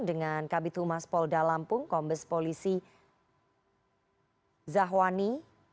dengan kabit humas polda lampung kombes polisi zahwani